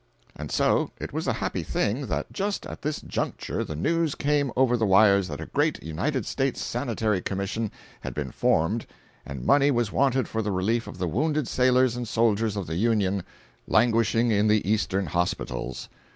And so it was a happy thing that just at this juncture the news came over the wires that a great United States Sanitary Commission had been formed and money was wanted for the relief of the wounded sailors and soldiers of the Union languishing in the Eastern hospitals.